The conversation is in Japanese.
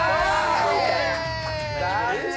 残念！